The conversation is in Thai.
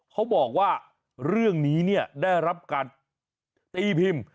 เขาบอกว่าเรื่องนี้เนี่ยได้รับการตีพิมพ์